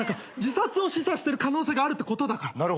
自殺を示唆してる可能性があるってことだから。